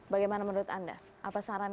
bagaimana menurut anda apa saran